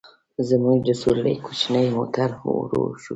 زموږ د سورلۍ کوچنی موټر ورو شو.